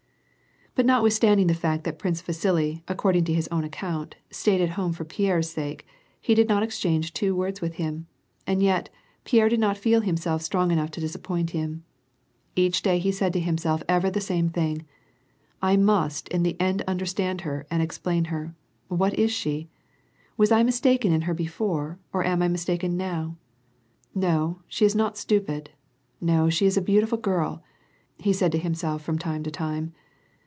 But notwithstanding the fact that Prince Vasili, according to his own aofount, stayed at home for Pierre's sake, he did not exchange two words with him, and yet, Pierre did not feel himself strong enough to disappoint him. Each day he said to himself ever the same thing: "I must in the end understand her and explain her — what is she? Was I mistaken in her before, or am I mistaken now ? No, she is not stupid. No, she is a beautiful girl," he said to himself from time to time.